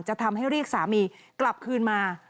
จะทำให้เรียกสามีกลับคืนมา